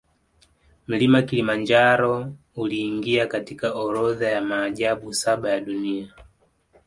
Mlima kilimanjaro uliingia katika orodha ya maajabu saba ya dunia